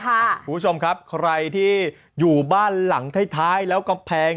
คุณผู้ชมครับใครที่อยู่บ้านหลังท้ายแล้วกำแพง